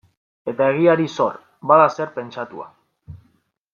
Eta egiari zor, bada zer pentsatua.